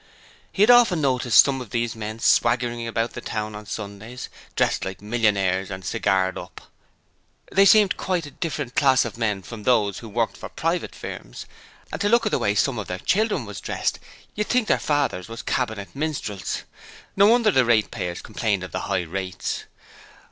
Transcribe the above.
He had often noticed some of these men swaggering about the town on Sundays, dressed like millionaires and cigared up! They seemed quite a different class of men from those who worked for private firms, and to look at the way some of their children was dressed you'd think their fathers was Cabinet Minstrels! No wonder the ratepayers complained ot the high rates.